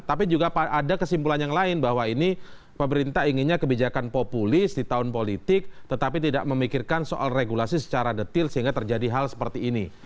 tapi juga ada kesimpulan yang lain bahwa ini pemerintah inginnya kebijakan populis di tahun politik tetapi tidak memikirkan soal regulasi secara detil sehingga terjadi hal seperti ini